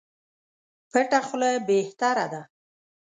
پټه خوله بهتره ده.